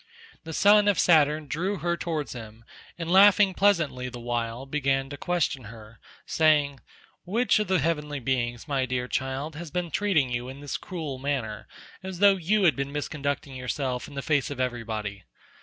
The son of Saturn drew her towards him, and laughing pleasantly the while began to question her saying, "Which of the heavenly beings, my dear child, has been treating you in this cruel manner, as though you had been misconducting yourself in the face of everybody?"